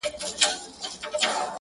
د نازولي یار په یاد کي اوښکي غم نه دی ـ